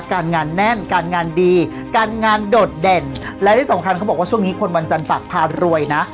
การงานแน่นการงานดีการงานโดดเด่นและที่สำคัญเขาบอกว่าช่วงนี้คนวันจันทร์ฝากพารวยนะ